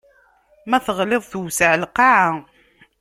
Ma teɣliḍ tewseɛ lqaɛa.